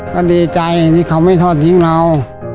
ก็ดีใจที่เขาไม่ทอดทิ้งเรา